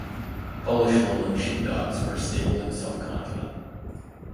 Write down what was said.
Polish Lowland Sheepdogs are stable and self-confident.